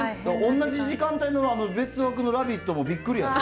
同じ時間帯の別枠のラビットもびっくりやで。